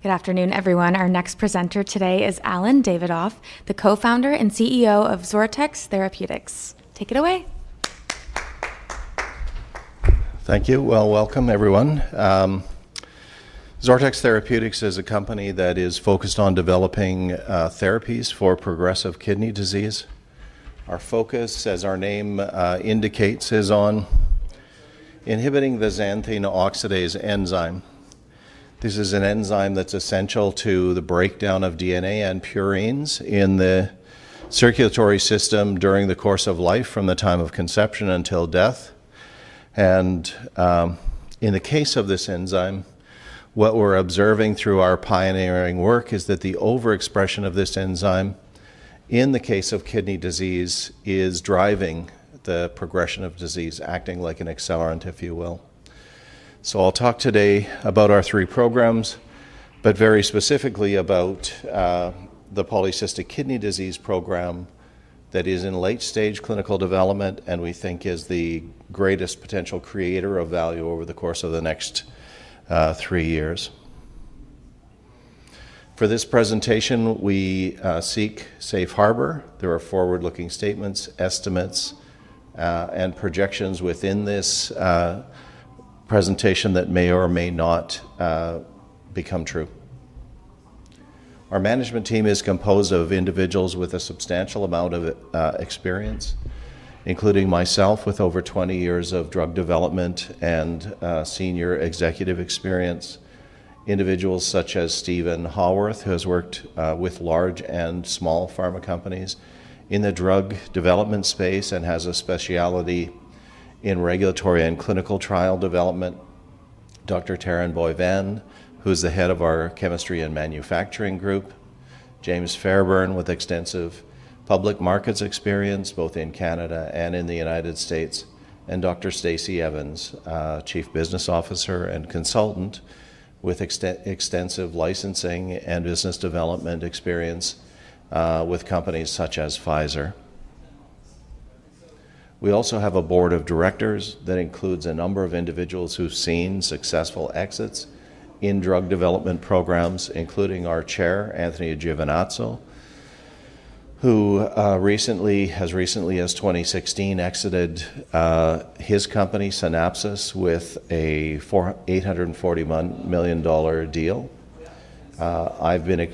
Good afternoon, everyone. Our next presenter today is Allen Davidoff, the co-founder and CEO of XORTX Therapeutics. Take it away. Thank you. Well, welcome everyone. XORTX Therapeutics is a company that is focused on developing therapies for progressive kidney disease. Our focus, as our name indicates, is on inhibiting the xanthine oxidase enzyme. This is an enzyme that's essential to the breakdown of DNA and purines in the circulatory system during the course of life, from the time of conception until death. And, in the case of this enzyme, what we're observing through our pioneering work is that the overexpression of this enzyme in the case of kidney disease is driving the progression of disease, acting like an accelerant, if you will. So I'll talk today about our three programs, but very specifically about the polycystic kidney disease program that is in late-stage clinical development and we think is the greatest potential creator of value over the course of the next three years. For this presentation, we seek safe harbor. There are forward-looking statements, estimates, and projections within this presentation that may or may not become true. Our management team is composed of individuals with a substantial amount of experience, including myself, with over 20 years of drug development and senior executive experience. Individuals such as Stephen Haworth, who has worked with large and small pharma companies in the drug development space and has a specialty in regulatory and clinical trial development. Dr. Taryn Boivin, who's the head of our chemistry and manufacturing group, James Fairbairn with extensive public markets experience, both in Canada and in the United States, and Dr. Stacy Evans, Chief Business Officer and consultant with extensive licensing and business development experience with companies such as Pfizer. We also have a board of directors that includes a number of individuals who've seen successful exits in drug development programs, including our chair, Anthony Giovinazzo, who recently—as recently as 2016, exited his company, Cynapsus, with an $841 million deal. I've been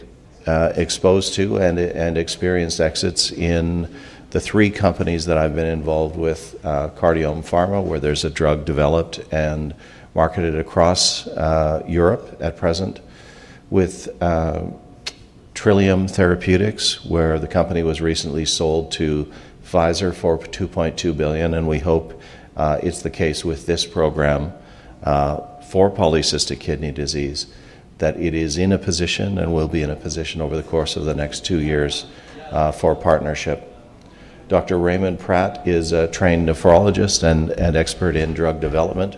exposed to and experienced exits in the three companies that I've been involved with, Cardiome Pharma, where there's a drug developed and marketed across Europe at present, with Trillium Therapeutics, where the company was recently sold to Pfizer for $2.2 billion, and we hope it's the case with this program for polycystic kidney disease, that it is in a position and will be in a position over the course of the next two years for a partnership. Dr. Raymond Pratt is a trained nephrologist and an expert in drug development.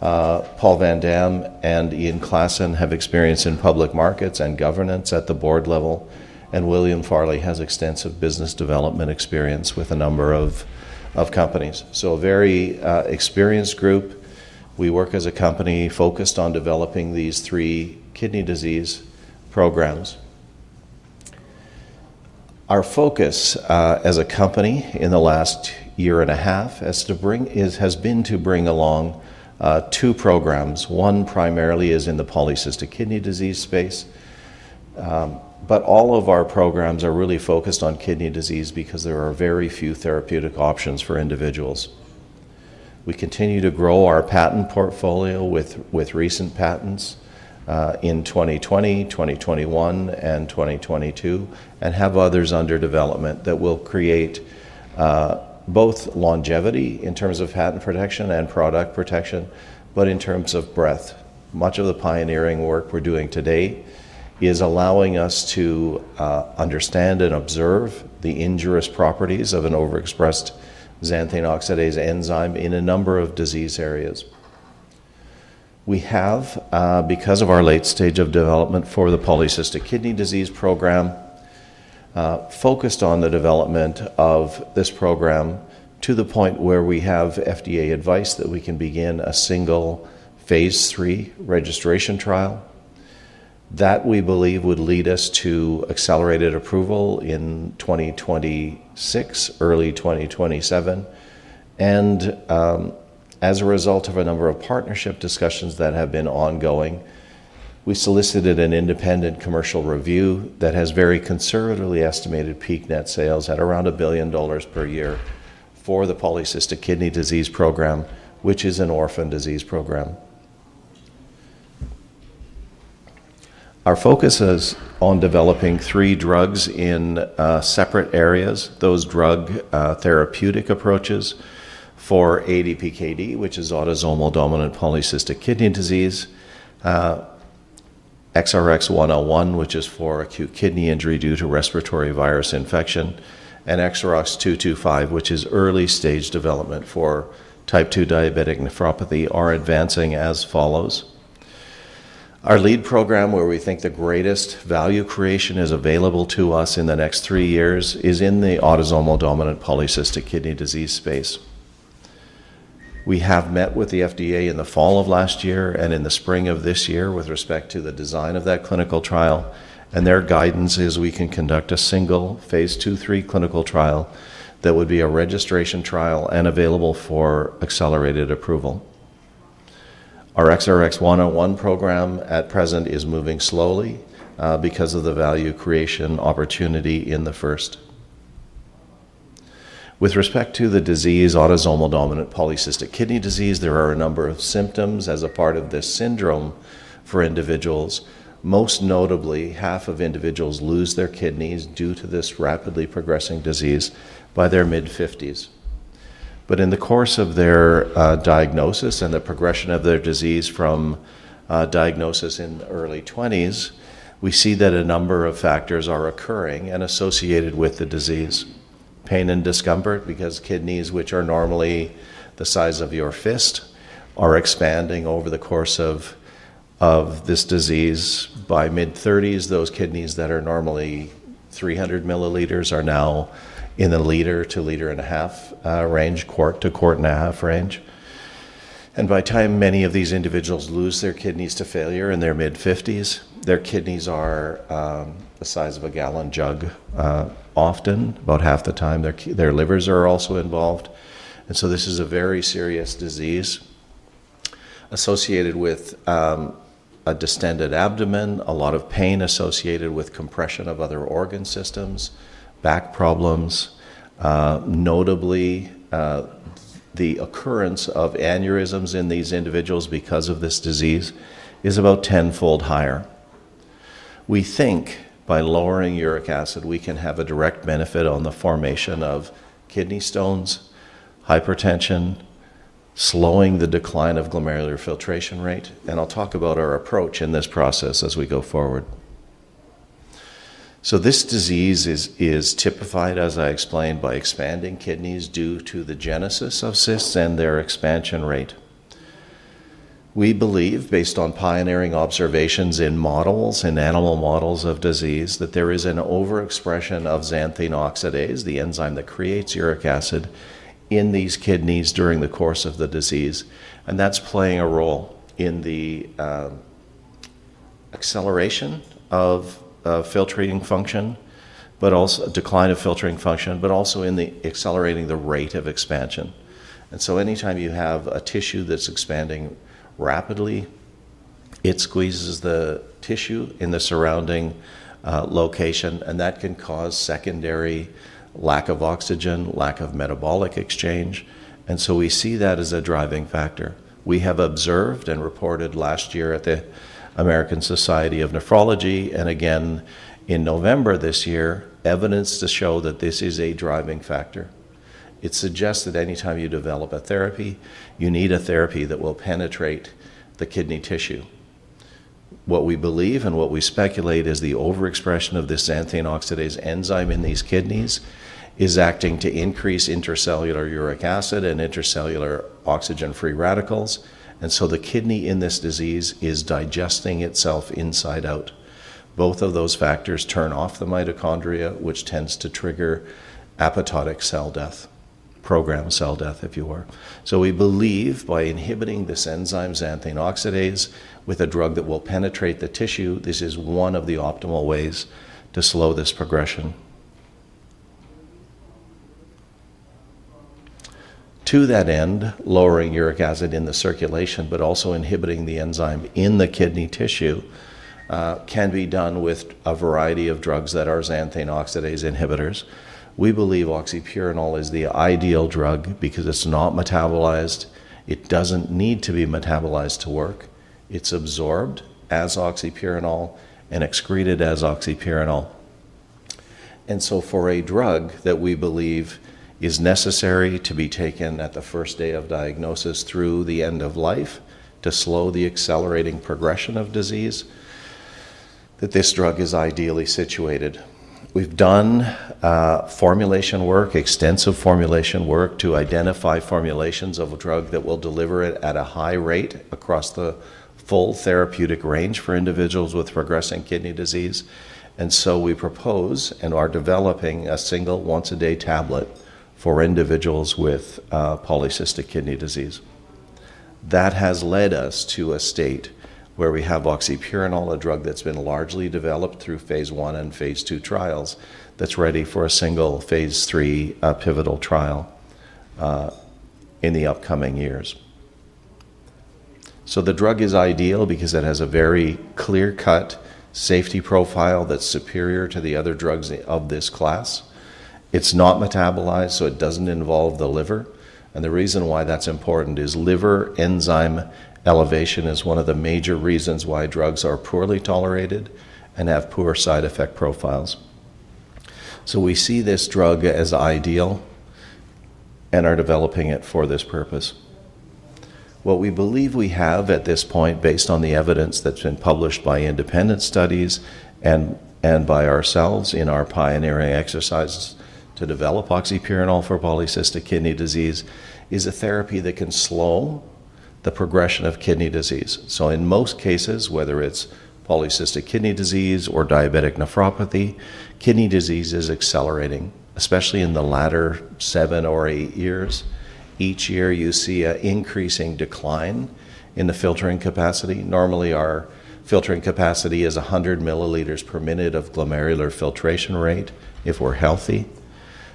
Paul Van Dam and Ian Klassen have experience in public markets and governance at the board level, and William Farley has extensive business development experience with a number of, of companies. So a very experienced group. We work as a company focused on developing these three kidney disease programs. Our focus, as a company in the last year and a half, has been to bring along two programs. One primarily is in the polycystic kidney disease space, but all of our programs are really focused on kidney disease because there are very few therapeutic options for individuals. We continue to grow our patent portfolio with recent patents in 2020, 2021, and 2022, and have others under development that will create both longevity in terms of patent protection and product protection, but in terms of breadth. Much of the pioneering work we're doing today is allowing us to understand and observe the injurious properties of an overexpressed xanthine oxidase enzyme in a number of disease areas. We have, because of our late stage of development for the polycystic kidney disease program, focused on the development of this program to the point where we have FDA advice that we can begin a single phase III registration trial. That, we believe, would lead us to accelerated approval in 2026, early 2027. As a result of a number of partnership discussions that have been ongoing, we solicited an independent commercial review that has very conservatively estimated peak net sales at around $1 billion per year for the polycystic kidney disease program, which is an orphan disease program. Our focus is on developing three drugs in separate areas. Those therapeutic approaches for ADPKD, which is autosomal dominant polycystic kidney disease, XRx-101, which is for acute kidney injury due to respiratory virus infection, and XRx-225, which is early-stage development for Type 2 diabetic nephropathy, are advancing as follows. Our lead program, where we think the greatest value creation is available to us in the next three years, is in the autosomal dominant polycystic kidney disease space. We have met with the FDA in the fall of last year and in the spring of this year with respect to the design of that clinical trial, and their guidance is we can conduct a single phase II, III clinical trial that would be a registration trial and available for accelerated approval. Our XRx-101 program at present is moving slowly because of the value creation opportunity in the first. With respect to the disease, autosomal dominant polycystic kidney disease, there are a number of symptoms as a part of this syndrome for individuals. Most notably, half of individuals lose their kidneys due to this rapidly progressing disease by their mid-50s. But in the course of their diagnosis and the progression of their disease from diagnosis in the early 20s, we see that a number of factors are occurring and associated with the disease. Pain and discomfort, because kidneys, which are normally the size of your fist, are expanding over the course of this disease. By mid-30s, those kidneys that are normally 300 milliliters are now in a 1-liter to 1.5-liter range, quart to 1.5-quart range. And by the time many of these individuals lose their kidneys to failure in their mid-50s, their kidneys are the size of a gallon jug, often. About half the time, their livers are also involved. And so this is a very serious disease associated with a distended abdomen, a lot of pain associated with compression of other organ systems, back problems. Notably, the occurrence of aneurysms in these individuals because of this disease is about 10-fold higher. We think by lowering uric acid, we can have a direct benefit on the formation of kidney stones, hypertension, slowing the decline of glomerular filtration rate, and I'll talk about our approach in this process as we go forward. So this disease is typified, as I explained, by expanding kidneys due to the genesis of cysts and their expansion rate. We believe, based on pioneering observations in models, in animal models of disease, that there is an overexpression of xanthine oxidase, the enzyme that creates uric acid, in these kidneys during the course of the disease, and that's playing a role in the decline of filtering function, but also in accelerating the rate of expansion. And so anytime you have a tissue that's expanding rapidly, it squeezes the tissue in the surrounding location, and that can cause secondary lack of oxygen, lack of metabolic exchange, and so we see that as a driving factor. We have observed and reported last year at the American Society of Nephrology, and again in November this year, evidence to show that this is a driving factor. It suggests that anytime you develop a therapy, you need a therapy that will penetrate the kidney tissue. What we believe and what we speculate is the overexpression of this xanthine oxidase enzyme in these kidneys is acting to increase intracellular uric acid and intracellular oxygen-free radicals, and so the kidney in this disease is digesting itself inside out. Both of those factors turn off the mitochondria, which tends to trigger apoptotic cell death, programmed cell death, if you will. So we believe by inhibiting this enzyme, xanthine oxidase, with a drug that will penetrate the tissue, this is one of the optimal ways to slow this progression. To that end, lowering uric acid in the circulation, but also inhibiting the enzyme in the kidney tissue, can be done with a variety of drugs that are xanthine oxidase inhibitors. We believe oxypurinol is the ideal drug because it's not metabolized. It doesn't need to be metabolized to work. It's absorbed as oxypurinol and excreted as oxypurinol. And so for a drug that we believe is necessary to be taken at the first day of diagnosis through the end of life to slow the accelerating progression of disease, that this drug is ideally situated. We've done, formulation work, extensive formulation work, to identify formulations of a drug that will deliver it at a high rate across the full therapeutic range for individuals with progressing kidney disease. And so we propose and are developing a single once-a-day tablet for individuals with polycystic kidney disease. That has led us to a state where we have oxypurinol, a drug that's been largely developed through phase I and phase II trials, that's ready for a single phase III, pivotal trial, in the upcoming years. So the drug is ideal because it has a very clear-cut safety profile that's superior to the other drugs of this class. It's not metabolized, so it doesn't involve the liver. And the reason why that's important is liver enzyme elevation is one of the major reasons why drugs are poorly tolerated and have poor side effect profiles. So we see this drug as ideal and are developing it for this purpose. What we believe we have at this point, based on the evidence that's been published by independent studies and by ourselves in our pioneering exercises to develop oxypurinol for polycystic kidney disease, is a therapy that can slow the progression of kidney disease. So in most cases, whether it's polycystic kidney disease or diabetic nephropathy, kidney disease is accelerating, especially in the latter seven or eight years. Each year, you see an increasing decline in the filtering capacity. Normally, our filtering capacity is 100 milliliters per minute of glomerular filtration rate if we're healthy.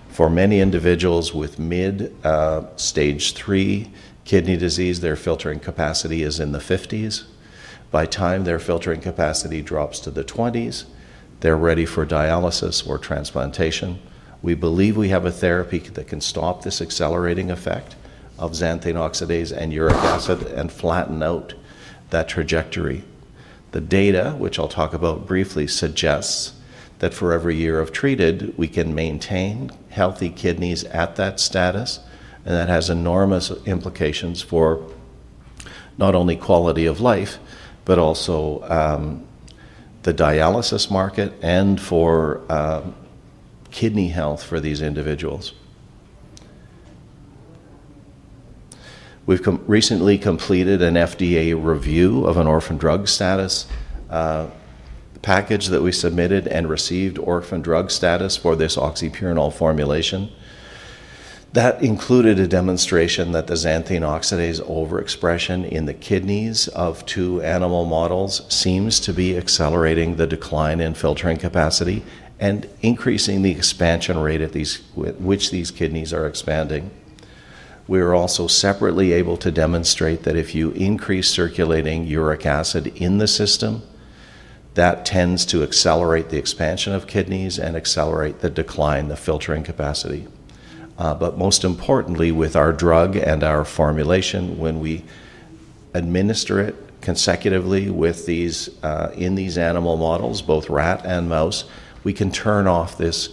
For many individuals with mid-stage 3 kidney disease, their filtering capacity is in the 50s. By the time their filtering capacity drops to the 20s, they're ready for dialysis or transplantation. We believe we have a therapy that can stop this accelerating effect of xanthine oxidase and uric acid and flatten out that trajectory. The data, which I'll talk about briefly, suggests that for every year of treated, we can maintain healthy kidneys at that status, and that has enormous implications for not only quality of life, but also the dialysis market and for kidney health for these individuals. We've recently completed an FDA review of an orphan drug status, the package that we submitted and received orphan drug status for this oxypurinol formulation. That included a demonstration that the xanthine oxidase overexpression in the kidneys of two animal models seems to be accelerating the decline in filtering capacity and increasing the expansion rate of which these kidneys are expanding. We were also separately able to demonstrate that if you increase circulating uric acid in the system, that tends to accelerate the expansion of kidneys and accelerate the decline, the filtering capacity. But most importantly, with our drug and our formulation, when we administer it consecutively with these, in these animal models, both rat and mouse, we can turn off this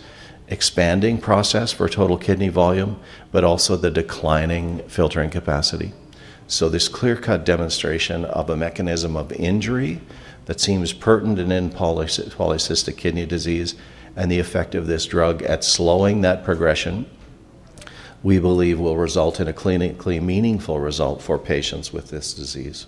expanding process for total kidney volume, but also the declining filtering capacity. So this clear-cut demonstration of a mechanism of injury that seems pertinent in polycystic kidney disease and the effect of this drug at slowing that progression, we believe will result in a clinically meaningful result for patients with this disease.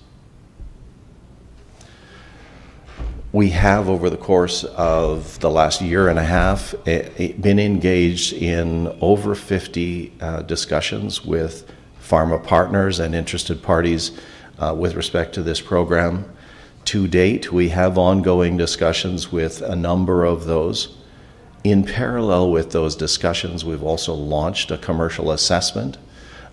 We have, over the course of the last year and a half, been engaged in over 50 discussions with pharma partners and interested parties with respect to this program. To date, we have ongoing discussions with a number of those. In parallel with those discussions, we've also launched a commercial assessment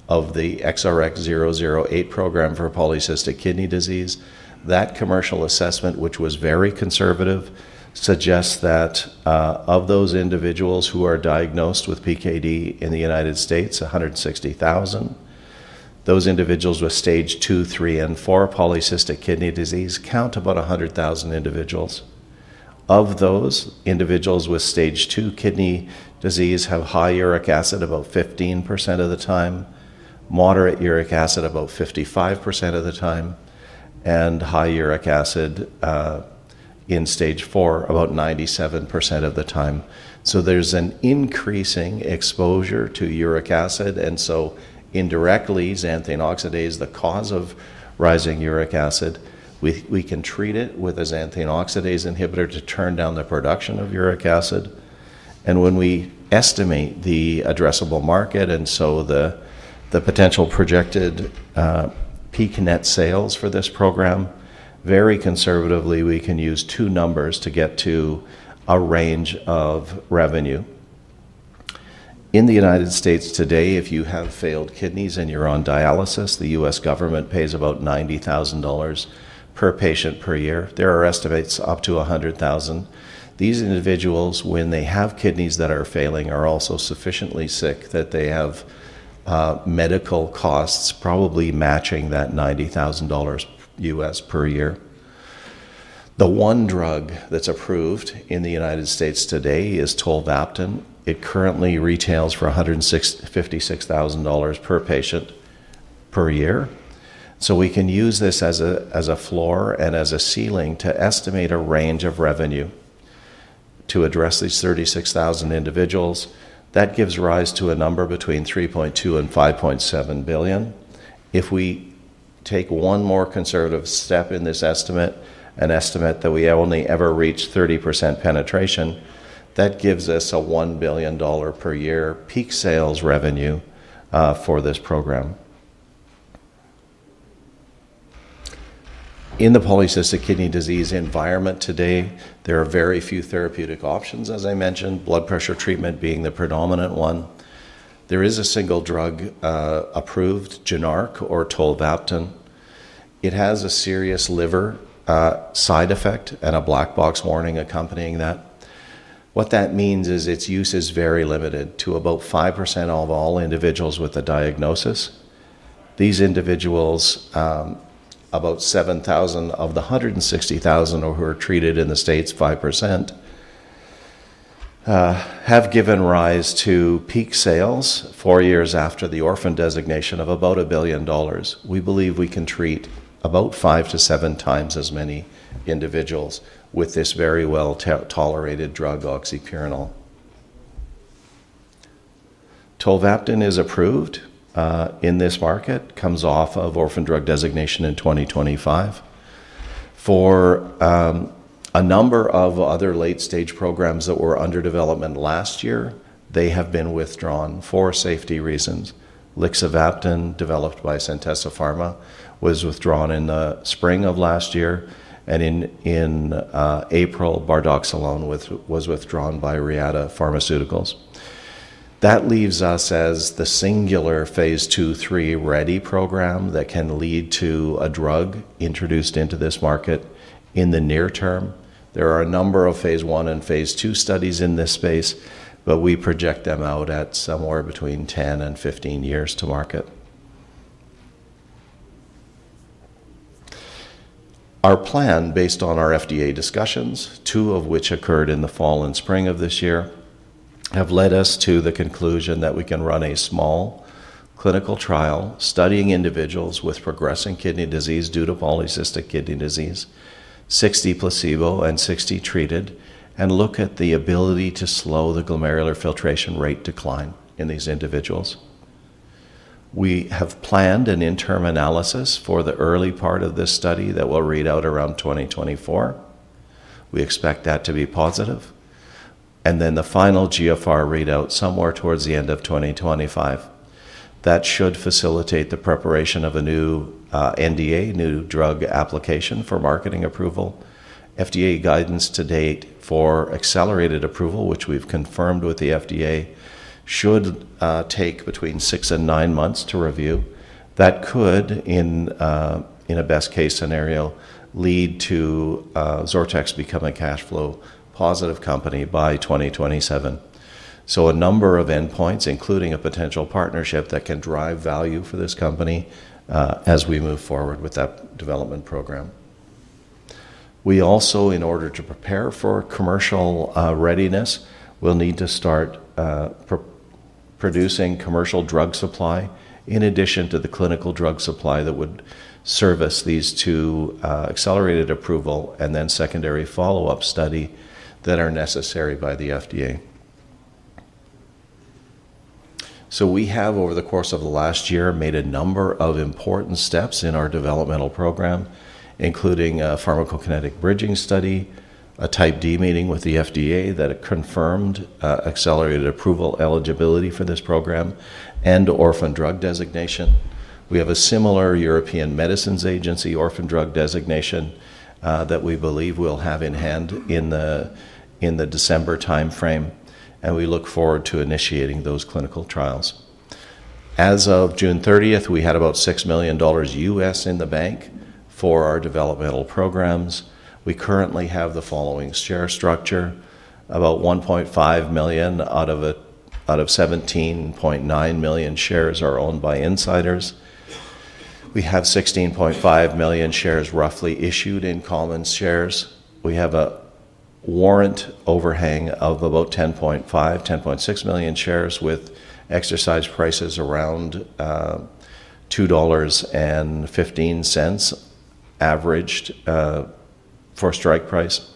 of the XRx-008 program for polycystic kidney disease. That commercial assessment, which was very conservative, suggests that of those individuals who are diagnosed with PKD in the United States, 160,000, those individuals with Stage two, three, and four polycystic kidney disease count about 100,000 individuals. Of those, individuals with Stage 2 kidney disease have high uric acid about 15% of the time, moderate uric acid about 55% of the time, and high uric acid in Stage four, about 97% of the time. So there's an increasing exposure to uric acid, and so indirectly, xanthine oxidase, the cause of rising uric acid, we can treat it with a xanthine oxidase inhibitor to turn down the production of uric acid. And when we estimate the addressable market, and so the potential projected peak net sales for this program, very conservatively, we can use two numbers to get to a range of revenue. In the United States today, if you have failed kidneys and you're on dialysis, the U.S. government pays about $90,000 per patient per year. There are estimates up to $100,000. These individuals, when they have kidneys that are failing, are also sufficiently sick that they have medical costs probably matching that $90,000 per year. The one drug that's approved in the United States today is tolvaptan. It currently retails for $156,000 per patient per year. So we can use this as a floor and as a ceiling to estimate a range of revenue to address these 36,000 individuals. That gives rise to a number between $3.2 billion-$5.7 billion. If we take one more conservative step in this estimate, an estimate that we only ever reach 30% penetration, that gives us a $1 billion per year peak sales revenue for this program. In the polycystic kidney disease environment today, there are very few therapeutic options, as I mentioned, blood pressure treatment being the predominant one. There is a single drug approved, Jynarque or tolvaptan. It has a serious liver side effect and a black box warning accompanying that. What that means is its use is very limited to about 5% of all individuals with a diagnosis. These individuals, about 7,000 of the 160,000 who are treated in the States, 5%, have given rise to peak sales four years after the orphan designation of about $1 billion. We believe we can treat about 5-7x as many individuals with this very well tolerated drug, oxypurinol. Tolvaptan is approved in this market, comes off of orphan drug designation in 2025. For a number of other late-stage programs that were under development last year, they have been withdrawn for safety reasons. Lixivaptan, developed by Centessa Pharma, was withdrawn in the spring of last year, and in April, bardoxolone was withdrawn by Reata Pharmaceuticals. That leaves us as the singular phase II/III ready program that can lead to a drug introduced into this market in the near term. There are a number of phase I and phase II studies in this space, but we project them out at somewhere between 10 and 15 years to market. Our plan, based on our FDA discussions, two of which occurred in the fall and spring of this year, have led us to the conclusion that we can run a small clinical trial studying individuals with progressing kidney disease due to polycystic kidney disease, 60 placebo and 60 treated, and look at the ability to slow the glomerular filtration rate decline in these individuals. We have planned an interim analysis for the early part of this study that will read out around 2024. We expect that to be positive. Then the final GFR readout somewhere towards the end of 2025. That should facilitate the preparation of a new NDA, new drug application, for marketing approval. FDA guidance to date for accelerated approval, which we've confirmed with the FDA, should take between six and nine months to review. That could, in a best-case scenario, lead to XORTX becoming a cash flow positive company by 2027. So a number of endpoints, including a potential partnership that can drive value for this company, as we move forward with that development program. We also, in order to prepare for commercial readiness, will need to start producing commercial drug supply, in addition to the clinical drug supply that would service these two accelerated approval and then secondary follow-up study that are necessary by the FDA. So we have, over the course of the last year, made a number of important steps in our developmental program, including a pharmacokinetic bridging study, a Type D meeting with the FDA that confirmed accelerated approval eligibility for this program, and orphan drug designation. We have a similar European Medicines Agency orphan drug designation that we believe we'll have in hand in the December timeframe, and we look forward to initiating those clinical trials. As of June 30th, we had about $6 million in the bank for our developmental programs. We currently have the following share structure: About 1.5 million out of it, out of 17.9 million shares are owned by insiders. We have 16.5 million shares roughly issued in common shares. We have a warrant overhang of about 10.5-10.6 million shares, with exercise prices around $2.15 averaged for strike price,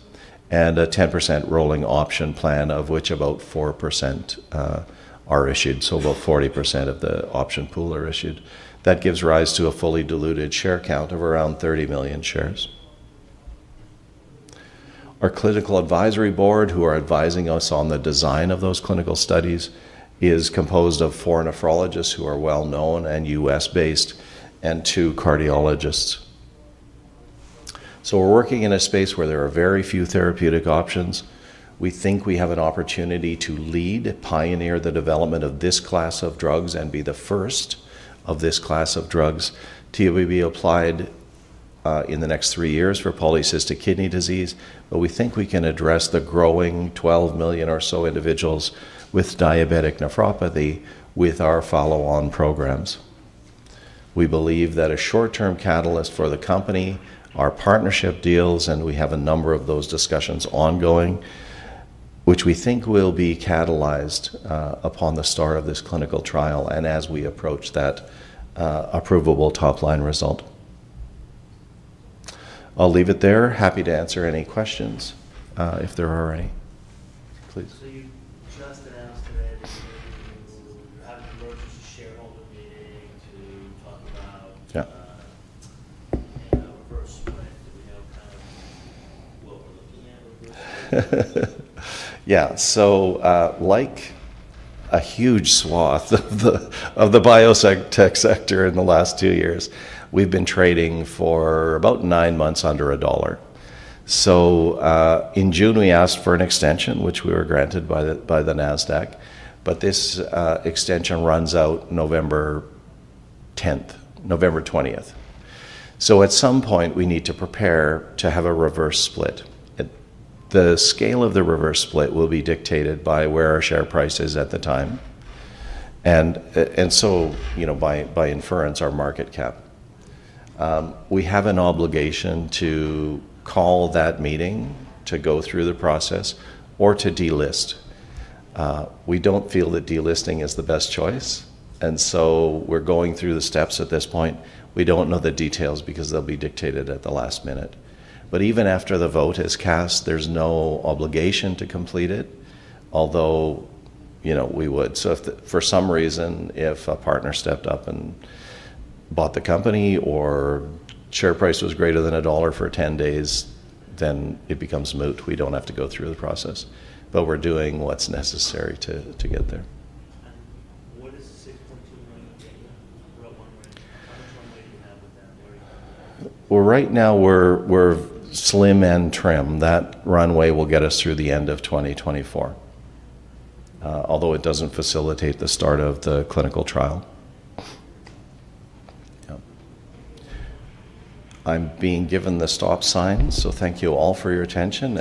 and a 10% rolling option plan, of which about 4% are issued. So about 40% of the option pool are issued. That gives rise to a fully diluted share count of around 30 million shares. Our clinical advisory board, who are advising us on the design of those clinical studies, is composed of four nephrologists, who are well known and U.S.-based, and two cardiologists. So we're working in a space where there are very few therapeutic options. We think we have an opportunity to lead, pioneer the development of this class of drugs and be the first of this class of drugs to be applied in the next three years for polycystic kidney disease. But we think we can address the growing 12 million or so individuals with diabetic nephropathy with our follow-on programs. We believe that a short-term catalyst for the company are partnership deals, and we have a number of those discussions ongoing, which we think will be catalyzed, upon the start of this clinical trial and as we approach that, approvable top-line result. I'll leave it there. Happy to answer any questions, if there are any. Please. You just announced today that you're having an emergency shareholder meeting to talk about? Yeah. a reverse split. Do we know, kind of, what we're looking at or-? Yeah. So, like a huge swath of the biotech sector in the last two years, we've been trading for about nine months under $1. So, in June, we asked for an extension, which we were granted by the Nasdaq, but this extension runs out November 10th... November. So at some point, we need to prepare to have a reverse split. The scale of the reverse split will be dictated by where our share price is at the time, and so, you know, by inference, our market cap. We have an obligation to call that meeting to go through the process or to delist. We don't feel that delisting is the best choice, and so we're going through the steps at this point. We don't know the details because they'll be dictated at the last minute. But even after the vote is cast, there's no obligation to complete it, although, you know, we would. So if for some reason a partner stepped up and bought the company or share price was greater than $1 for 10 days, then it becomes moot. We don't have to go through the process, but we're doing what's necessary to get there. What is the $6.2 million in runway? How much runway do you have with that where you are? Well, right now, we're slim and trim. That runway will get us through the end of 2024, although it doesn't facilitate the start of the clinical trial. Yeah. I'm being given the stop sign, so thank you all for your attention.